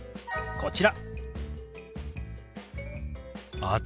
こちら。